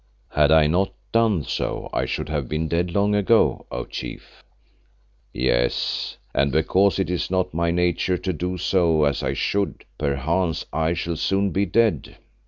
"Had I not done so I should have been dead long ago, O Chief." "Yes, and because it is not my nature to do so as I should, perchance I shall soon be dead.